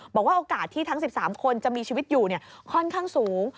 บอกว่าโอกาสที่ทั้ง๑๓คนจะมีชีวิตอยู่ค่อนข้างสูง